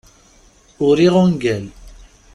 Uriɣ ungal.